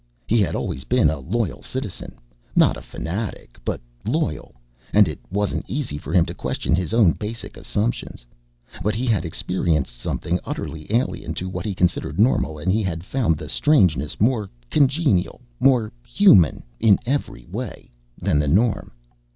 He had always been a loyal citizen not a fanatic, but loyal and it wasn't easy for him to question his own basic assumptions. But he had experienced something utterly alien to what he considered normal, and he had found the strangeness more congenial more human in every way than the norm.